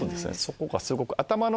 そこがすごく。